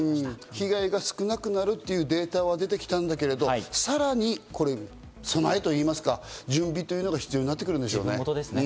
被害が少なくなるというデータは出てきたけど、さらに備えと言いますか、準備というのが必要になってくるんでしょうね。